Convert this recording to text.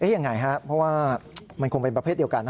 ยังไงครับเพราะว่ามันคงเป็นประเภทเดียวกันนะ